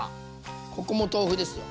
ここも豆腐ですよ。